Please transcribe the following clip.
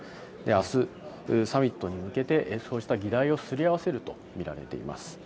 あす、サミットに向けてそうした議題をすり合わせると見られています。